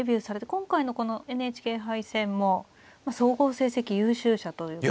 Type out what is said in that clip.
今回のこのＮＨＫ杯戦も総合成績優秀者ということで。